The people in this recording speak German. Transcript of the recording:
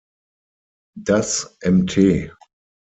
Das Mt.